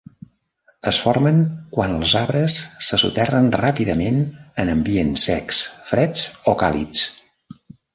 Es formen quan els arbres se soterren ràpidament en ambients secs, freds o càlids.